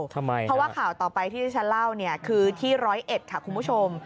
เพราะว่าข่าวต่อไปที่ดิฉันเล่าคือที่๑๐๑ค่ะคุณผู้ชม